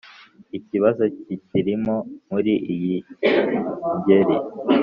ikibazo kikirimo muri iyi ngeri